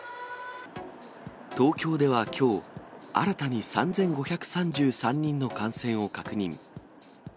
東京ではきょう、新たに３５３３人の感染を確認。